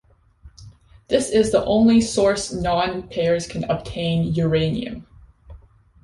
This is the only source non-payers can obtain uranium.